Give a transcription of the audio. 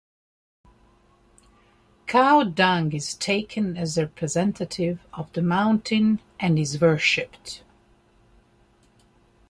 Cow dung is taken as representative of the mountain and is worshiped.